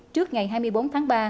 trước ngày hai mươi bốn tháng ba